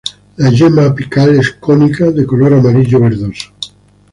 La yema apical es cónica de color amarillo verdoso.